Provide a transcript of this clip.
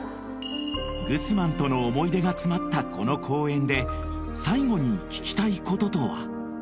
［グスマンとの思い出が詰まったこの公園で最後に聞きたいこととは？］